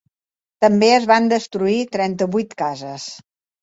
També es van destruir trenta-vuit cases.